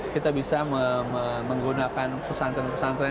kita bisa menggunakan pesantren pesantren